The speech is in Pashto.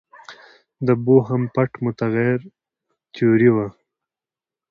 د بوهم پټ متغیر تیوري وه.